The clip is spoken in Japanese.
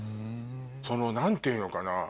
その何ていうのかな。